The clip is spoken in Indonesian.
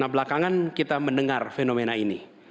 nah belakangan kita mendengar fenomena ini